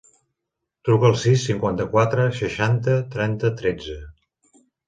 Truca al sis, cinquanta-quatre, seixanta, trenta, tretze.